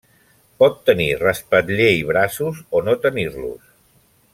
Pot tenir respatller i braços o no tenir-los.